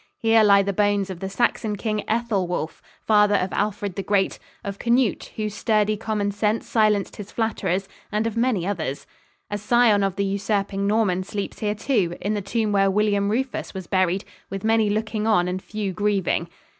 Here lie the bones of the Saxon King Ethelwulf, father of Alfred the Great; of Canute, whose sturdy common sense silenced his flatterers; and of many others. A scion of the usurping Norman sleeps here too, in the tomb where William Rufus was buried, "with many looking on and few grieving."